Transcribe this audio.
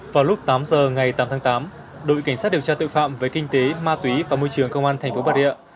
vào lúc tám giờ ngày tám tháng tám đội cảnh sát điều tra tội phạm về kinh tế ma túy và môi trường công an thành phố bà rịa